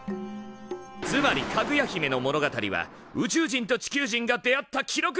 つまり「かぐや姫」の物語は宇宙人と地球人が出会った記録なのだ！